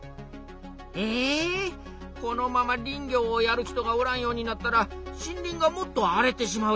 えこのまま林業をやる人がおらんようになったら森林がもっと荒れてしまうやん。